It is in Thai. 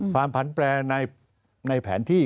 ความผันแปลในแผนที่